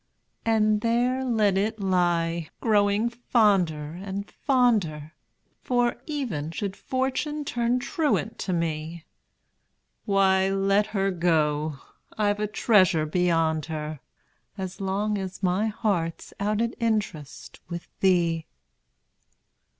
And there let it lie, growing fonder and, fonder For, even should Fortune turn truant to me, Why, let her go I've a treasure beyond her, As long as my heart's out at interest With thee!